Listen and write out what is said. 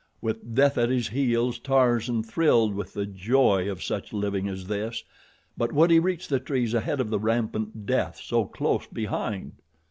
With death at his heels, Tarzan thrilled with the joy of such living as this; but would he reach the trees ahead of the rampant death so close behind?